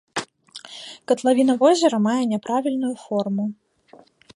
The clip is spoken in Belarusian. Катлавіна возера мае няправільную форму.